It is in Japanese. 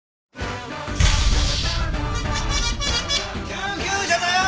救急車だよ！